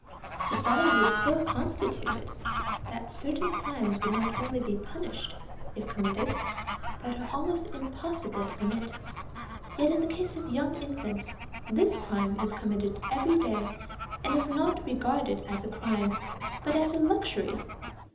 Society is so constituted that certain crimes would not only be punished if committed, but are almost impossible to commit. Yet in the case of young infants, this crime is committed every day, and is not regarded as a crime, but as a luxury.